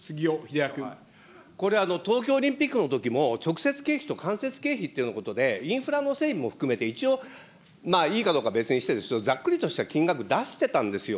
これは、東京オリンピックのときも直接経費と間接経費ということで、インフラの整備も含めて、一応、いいかどうか別にして、ざっくりとした金額、出してたんですよ。